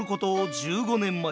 １５年前。